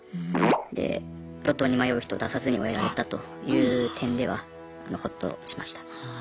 で路頭に迷う人出さずに終えられたという点ではホッとしました。